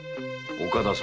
岡田様